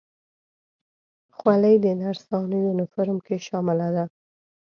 خولۍ د نرسانو یونیفورم کې شامله ده.